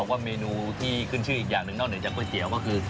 ว่าเมนูที่ขึ้นชื่ออีกอย่างหนึ่งนอกเหนือจากก๋วยเตี๋ยวก็คือ